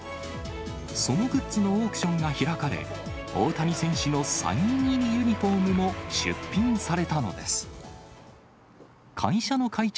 そのグッズのオークションが開かれ、大谷選手のサイン入りユニホームも出品されたのです。